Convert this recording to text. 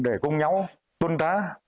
để cùng nhau tuân trá